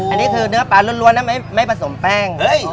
อันนี้คือเนื้อปลาล้วนนะไม่ผสมแป้ง